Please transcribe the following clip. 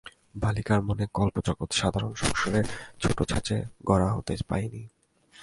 বালিকার মনের কল্পজগৎ সাধারণ সংসারের মোটা ছাঁচে গড়া হতে পায় নি।